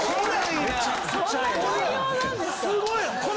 すごいの！